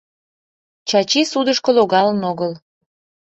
Чачи судышко логалын огыл.